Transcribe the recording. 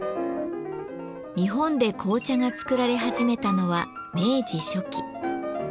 日本で紅茶が作られ始めたのは明治初期。